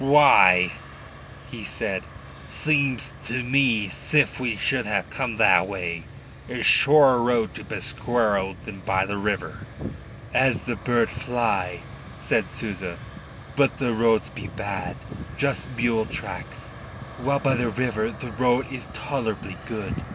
"Why," he said, "seems to me 'sif we should ha' come that way. I's shorrer road to Pesqueira than by the river." "As the bird fly," said Souza. "But the roads be bad just mule tracks, while by the river the road is tolerable good."